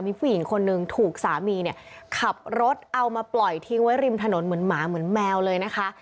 มีผู้หญิงคนนึงถูกสามีเนี่ยขับรถเอามาปล่อยทิ้งไว้ริมถนนเหมือนหมาเหมือนแมวเลยนะคะ